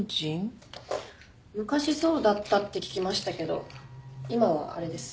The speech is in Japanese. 昔そうだったって聞きましたけど今はあれです。